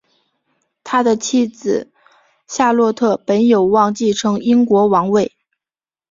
他的妻子夏洛特本有望继承英国王位。